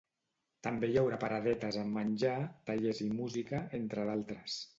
També hi haurà paradetes amb menjar, tallers i música, entre d'altres.